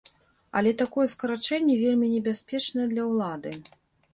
Але такое скарачэнне вельмі небяспечнае для ўлады.